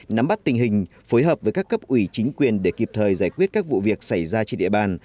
nắm bắt tình hình phối hợp với các cấp ủy chính quyền để kịp thời giải quyết các vụ việc xảy ra trên địa bàn